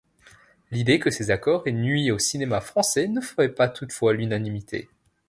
L'idée que ces accords aient nui au cinéma français ne fait pas toutefois l'unanimité.